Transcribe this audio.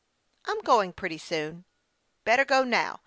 " I'm going pretty soon." " Better go now."